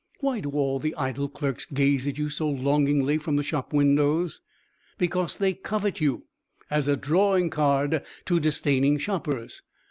Why do all the idle clerks gaze at you so longingly from the shop windows? Because they covet you as a drawing card to disdaining shoppers.